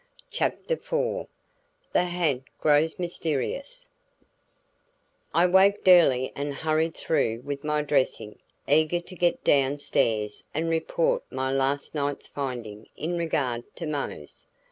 CHAPTER IV THE HA'NT GROWS MYSTERIOUS I waked early and hurried through with my dressing, eager to get down stairs and report my last night's finding in regard to Mose.